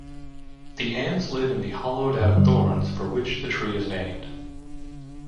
The ants live in the hollowed-out thorns for which the tree is named.